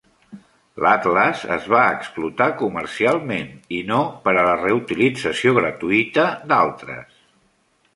L'atles es va explotar comercialment i no per a la reutilització gratuïta d'altres.